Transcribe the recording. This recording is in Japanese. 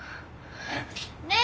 ねえ！